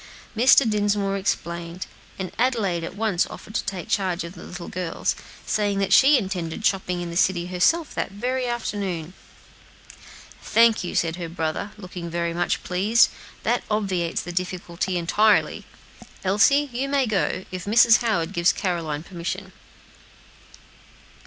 Mr. Dinsmore explained, and Adelaide at once offered to take charge of the little girls, saying that she intended shopping a little in the city herself that very afternoon. "Thank you," said her brother, looking very much pleased; "that obviates the difficulty entirely. Elsie, you may go, if Mrs. Howard gives Caroline permission."